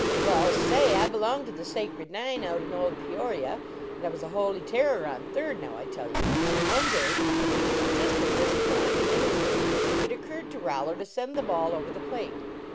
Well, say, I be longed to the Sacred Nine out in old Peoria, and I was a holy terror on third, now I tell you. One day " But just at this point in the history it oc curred to Rollo to send the ball over the plate. Mr.